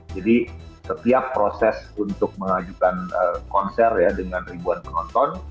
jadi setiap proses untuk mengajukan konser dengan ribuan penonton